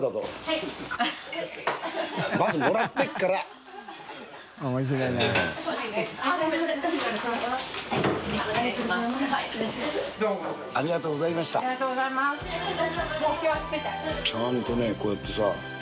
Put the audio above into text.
い鬚弔韻董ちゃんとねこうやってさ。